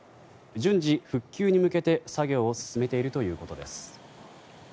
順次、復旧に向けて作業を進めているということです。